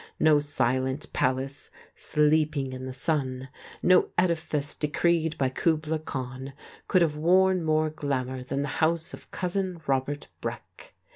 No silent palace "sleeping in the sun," no edifice decreed by Kubla Khan could have worn more glamour than the house of Cousin Robert Breck.